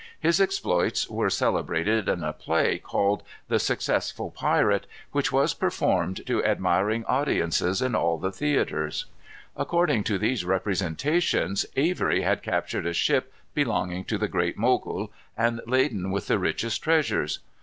His exploits were celebrated in a play called, "The Successful Pirate," which was performed to admiring audiences in all the theatres. According to these representations, Avery had captured a ship, belonging to the Great Mogul, and laden with the richest treasures.